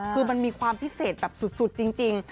คือมันมีความพิเศษแบบสุดจริง